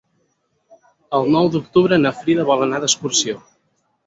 El nou d'octubre na Frida vol anar d'excursió.